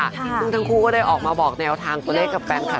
ซึ่งทั้งคู่ก็ได้ออกมาบอกแนวทางตัวเลขกับแฟนคลับ